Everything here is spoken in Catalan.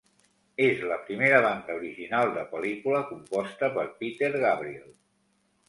És la primera banda original de pel·lícula composta per Peter Gabriel.